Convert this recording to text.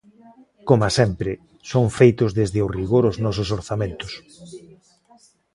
Coma sempre, son feitos desde o rigor os nosos orzamentos.